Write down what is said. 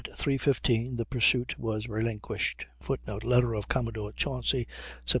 15 the pursuit was relinquished, [Footnote: Letter of Commodore Chauncy. Sept.